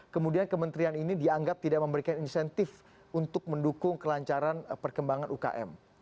kemudian kementerian ini dianggap tidak memberikan insentif untuk mendukung kelancaran perkembangan ukm